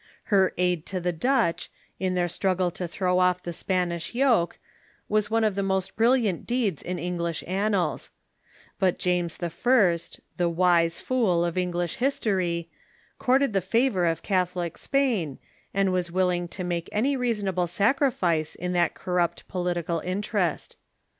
Her aid to the Dutch, in their strug Contrast i ^ throw off the Spanish yoke, was one of the with Elizabeth s> i j ' most brilliant deeds in English ainials. But James I., the "wise fool" of Englisli history, courted the favor of Catholic Spain, and was Avilling to make any reasonable sacri fice in that corrupt political interest.